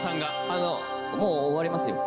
あのもう終わりますよ。